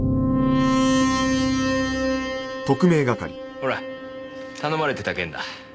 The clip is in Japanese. ほら頼まれてた件だ。